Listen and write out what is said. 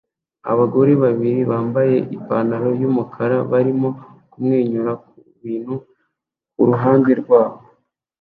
Abagore babiri bambaye ipantaro yumukara barimo kumwenyura kubintu kuruhande rwabo